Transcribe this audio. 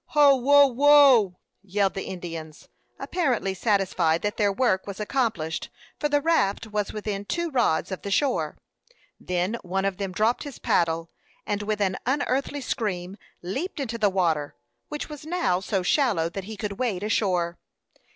"Ho, wo, wo!" yelled the Indians, apparently satisfied that their work was accomplished, for the raft was within two rods of the shore. Then one of them dropped his paddle, and, with an unearthly scream, leaped into the water, which was now so shallow that he could wade ashore.